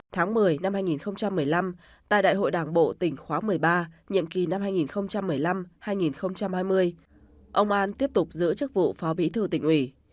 tháng một mươi năm hai nghìn một mươi năm tại đại hội đảng bộ tỉnh khóa một mươi ba nhiệm kỳ năm hai nghìn một mươi năm hai nghìn hai mươi ông an tiếp tục giữ chức vụ phó bí thư tỉnh ủy